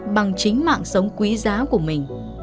bằng chính mạng sống quý giá của mình